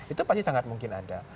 itu pasti sangat mungkin ada